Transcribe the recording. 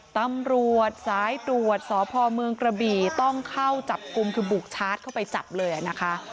ตำรวจสายตรวจสพเมืองกระบี่ต้องเข้าจับกลุ่มคือบุกชาร์จเข้าไปจับเลยนะคะ